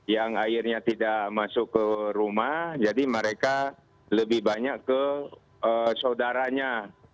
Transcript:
yang akhirnya tidak masuk ke rumah jadi mereka lebih banyak ke saudaranya